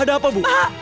ada apa bu